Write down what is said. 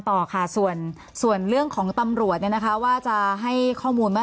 ต่อค่าส่วนส่วนเรื่องของตำรัวเนี้ยนะคะว่าจะให้ข้อมูลเมื่อ